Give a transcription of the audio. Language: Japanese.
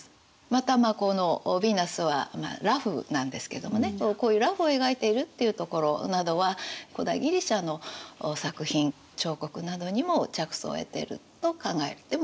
またこの「ヴィーナス」は裸婦なんですけどもねこういう裸婦を描いているっていうところなどは古代ギリシアの作品彫刻などにも着想を得ていると考えてもいいかもしれないですね。